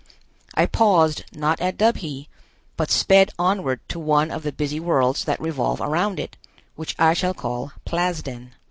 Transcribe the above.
I paused not at Dubhe, but sped onward to one of the busy worlds that revolve around it, which I shall call Plasden.